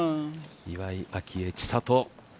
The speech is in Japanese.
岩井明愛・千怜。